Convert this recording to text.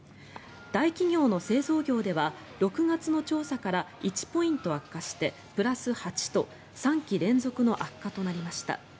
大企業の製造業では６月の調査から１ポイント悪化してプラス８と３期連続の悪化となりました。